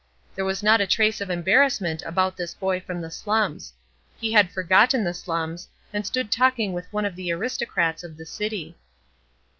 There was not a trace of embarrassment about this boy from the slums; he had forgotten the slums, and stood talking with one of the aristocrats of the city.